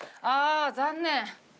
あ残念。